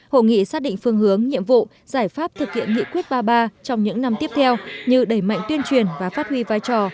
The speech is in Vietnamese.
hội nghị xác định phương hướng nhiệm vụ giải pháp thực hiện nghị quyết ba mươi ba trong những năm tiếp theo như đẩy mạnh tuyên truyền và phát huy vai trò